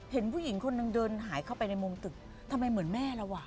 เห็นผู้หญิงคนหนึ่งเดินหายเข้าไปในมุมตึกทำไมเหมือนแม่เราอ่ะ